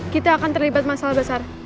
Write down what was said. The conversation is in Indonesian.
kita akan terlibat masalah besar